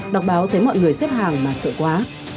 đọc báo tới mọi người xếp hàng mà sợ quá